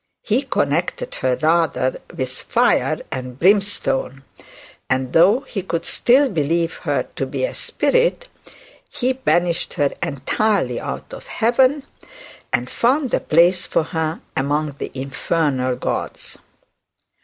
He connected her rather with fire and brimstone, and though he could still believe her to be a spirit, he banished her entirely out of heaven, and found a place for her among the infernal gods.